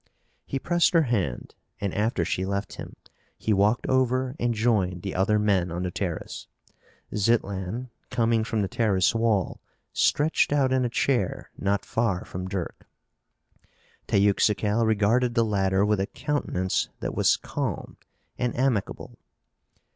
He pressed her hand and, after she left him, he walked over and joined the other men on the terrace. Zitlan, coming from the terrace wall, stretched out in a chair not far from Dirk. Teuxical regarded the latter with a countenance that was calm and amicable.